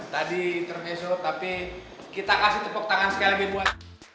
tadi intermesu tapi kita kasih tepuk tangan sekali lagi buat